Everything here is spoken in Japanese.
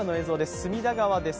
隅田川です。